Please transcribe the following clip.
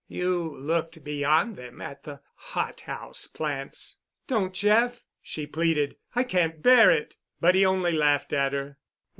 You looked beyond them at the hot house plants——" "Don't, Jeff," she pleaded. "I can't bear it." But he only laughed at her.